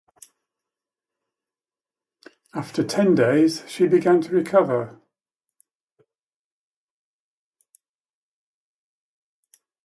After ten days, she began to recover.